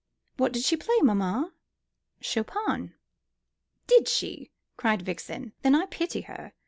"What did she play, mamma?" "Chopin!" "Did she!" cried Vixen. "Then I pity her.